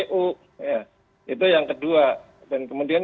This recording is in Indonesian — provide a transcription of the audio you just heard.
yang ketiga tentu pertamina harus menjamin dengan adanya musibah ini